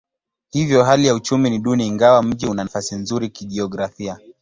Hivyo hali ya uchumi ni duni ingawa mji una nafasi nzuri kijiografia.